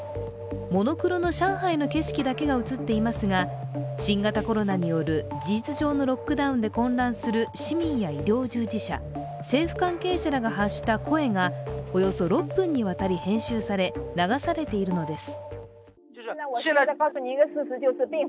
モノクロの上海の景色だけが映っていますが新型コロナによる事実上のロックダウンで混乱する市民や医療従事者、政府関係者らが発した声がおよそ６分にわかり編集され流されているのです。